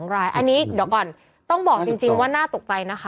๒รายอันนี้เดี๋ยวก่อนต้องบอกจริงว่าน่าตกใจนะคะ